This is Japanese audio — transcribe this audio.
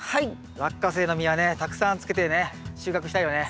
ラッカセイの実はねたくさんつけてね収穫したいよね？